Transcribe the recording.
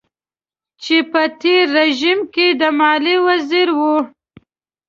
چې په تېر رژيم کې د ماليې وزير و.